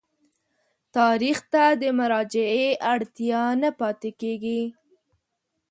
تاریخ ته د مراجعې اړتیا نه پاتېږي.